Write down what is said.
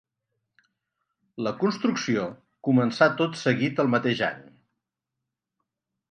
La construcció començà tot seguit el mateix any.